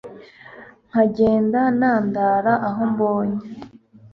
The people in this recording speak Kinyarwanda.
nkagenda nandara aho mbonye